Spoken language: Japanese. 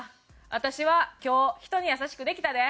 私は今日人に優しくできたで。